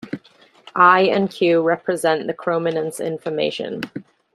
I and Q represent the chrominance information.